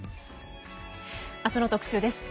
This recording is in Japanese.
明日の特集です。